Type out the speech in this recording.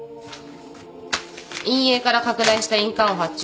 印影から拡大した印鑑を発注。